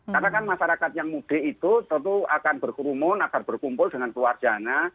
karena kan masyarakat yang mudik itu tentu akan berkerumun agar berkumpul dengan keluarganya